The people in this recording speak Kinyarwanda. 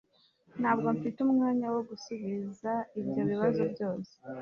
Ntabwo mfite umwanya wo gusubiza ibyo bibazo byose